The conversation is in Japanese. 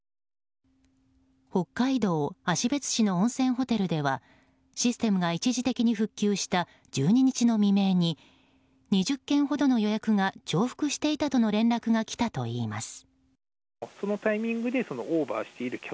北海道芦別市の温泉ホテルではシステムが一時的に復旧した１２日の未明に２０件ほどの予約が重複していたとの連絡が来たといいます。